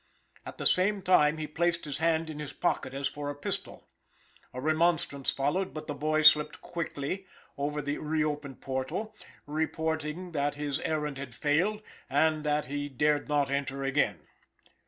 At the same time he placed his hand in his pocket as for a pistol. A remonstrance followed, but the boy slipped quickly over the reopened portal, reporting that his errand had failed, and that he dared not enter again.